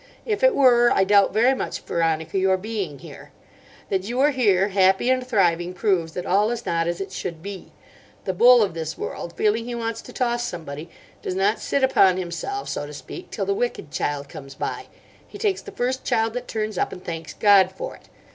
If it were I doubt very much, Veronica, your being here. That you are here happy and thriving proves that all is not as it should be. The bull of this world, feeling he wants to toss somebody, does not sit upon himself, so to speak, till the wicked child comes by. He takes the first child that turns up, and thanks God for it.